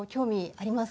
あります！